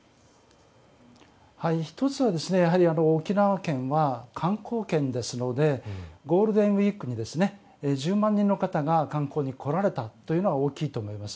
１つは沖縄県は観光県ですのでゴールデンウィークに１０万人の方が観光に来られたというのは大きいと思います。